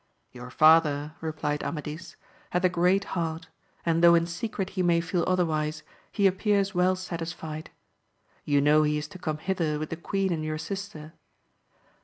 Your father, replied Amadis, hath a great heart, and though in secret he may feel otherwise, he appears well satisfied. You know he is to come hither with the queen and your sister.